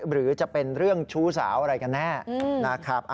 หรือจะเป็นเรื่องชู้สาวอะไรกันแน่นะครับ